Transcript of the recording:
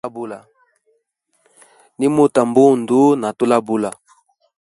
Nimuta mbundu na tulabula.